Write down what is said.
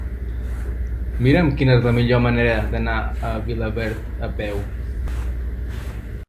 Mira'm quina és la millor manera d'anar a Vilaverd a peu.